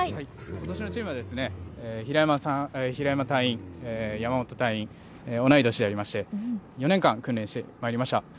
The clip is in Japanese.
ことしのチームは平山隊員、山元隊員、同い年でありまして４年間、訓練してまいりました。